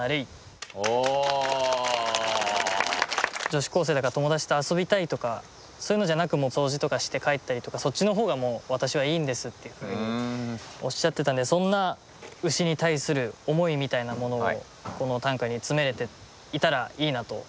女子高生だから友達と遊びたいとかそういうのじゃなく掃除とかして帰ったりとかそっちの方が私はいいんですっていうふうにおっしゃってたんでそんな牛に対する思いみたいなものをこの短歌に詰めれていたらいいなと。